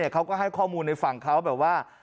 เขาก็ให้ข้อมูลในฝั่งเขาแบบว่า